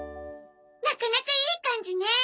なかなかいい感じね。